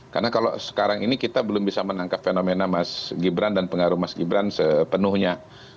karena kalau sekarang ini kita belum bisa menangkap fenomena mas gibran dan pengaruh mas gibran sepenuhnya